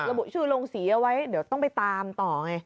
ระบุชื่อลงสีเอาไว้เดี๋ยวต้องไปตามต่อไง